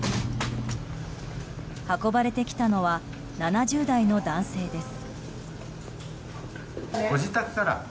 運ばれてきたのは７０代の男性です。